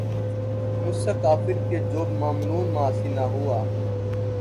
مجھ سا کافر کہ جو ممنون معاصی نہ ہوا